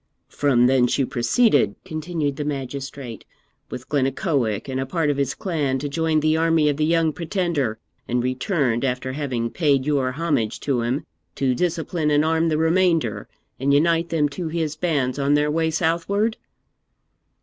'From thence you proceeded,' continued the magistrate, 'with Glennaquoich and a part of his clan to join the army of the Young Pretender, and returned, after having paid your homage to him, to discipline and arm the remainder, and unite them to his bands on their way southward?'